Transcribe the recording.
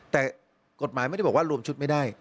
แต่กฎหมายไม่ได้บอกว่ารวมชุดไม่ได้